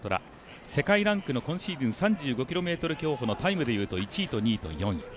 世界ランクの今シーズン３５ｋｍ競歩のタイムでいうと１位と２位と４位。